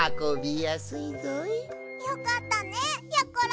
よかったねやころ！